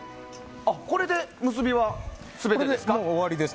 これで結びは全てですか？